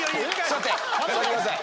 座ってください。